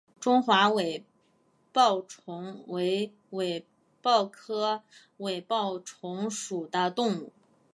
中华尾孢虫为尾孢科尾孢虫属的动物。